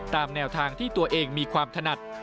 ตามแนวทางที่ตัวเองมีความถนัด